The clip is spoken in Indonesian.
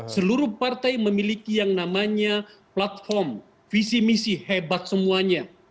seluruh partai memiliki yang namanya platform visi misi hebat semuanya